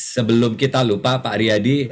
sebelum kita lupa pak riyadi